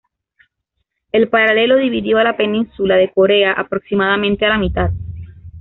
El paralelo dividió a la península de Corea aproximadamente a la mitad.